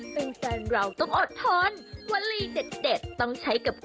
โปรดติดตามตอนต่อไป